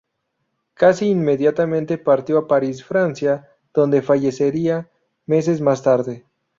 Casi inmediatamente partió a París, Francia, donde fallecería meses más tarde.